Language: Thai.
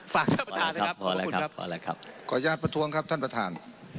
ท่านประธานนะครับขอบพระคุณครับขออนุญาตประท้วงครับท่านประธาน